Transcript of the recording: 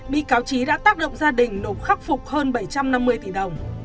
bị cáo trí đã tác động gia đình nộp khắc phục hơn bảy trăm năm mươi tỷ đồng